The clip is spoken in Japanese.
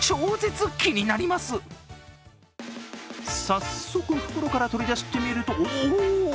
早速、袋から取り出してみるとおおっ！